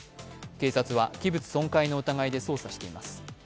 警察は器物損壊の疑いで捜査しています。